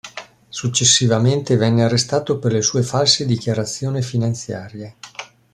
Successivamente venne arrestato per le sue false dichiarazioni finanziarie.